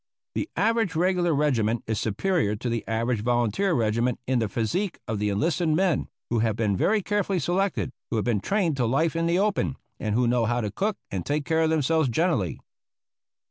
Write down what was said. * The average regular regiment is superior to the average volunteer regiment in the physique of the enlisted men, who have been very carefully selected, who have been trained to life in the open, and who know how to cook and take care of themselves generally.